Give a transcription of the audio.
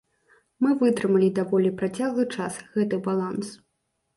Мы вытрымалі даволі працяглы час гэты баланс.